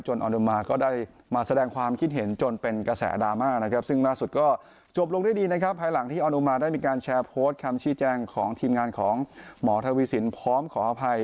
ออนุมาก็ได้มาแสดงความคิดเห็นจนเป็นกระแสดราม่านะครับซึ่งล่าสุดก็จบลงด้วยดีนะครับภายหลังที่ออนุมาได้มีการแชร์โพสต์คำชี้แจงของทีมงานของหมอทวีสินพร้อมขออภัย